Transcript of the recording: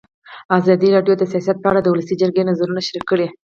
ازادي راډیو د سیاست په اړه د ولسي جرګې نظرونه شریک کړي.